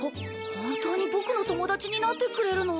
本当にボクの友達になってくれるの？